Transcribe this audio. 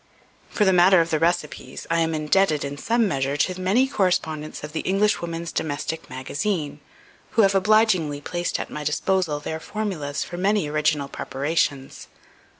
For the matter of the recipes, I am indebted, in some measure, to many correspondents of the "Englishwoman's Domestic Magazine," who have obligingly placed at my disposal their formulas for many original preparations.